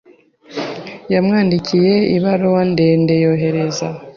Yamwandikiye ibaruwa ndende, yohereza.